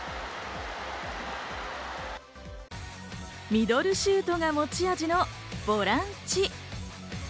ミドルシュートが持ち味のボランチ。